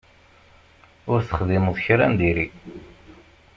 Ur texdimeḍ kra n diri.